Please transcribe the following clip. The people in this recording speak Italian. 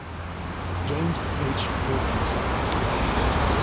James H. Wilkinson